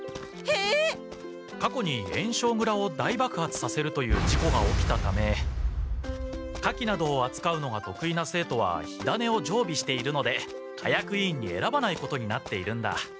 ええっ？か去に焔硝蔵を大爆発させるという事故が起きたため火器などをあつかうのがとく意な生徒は火種をじょうびしているので火薬委員にえらばないことになっているんだ。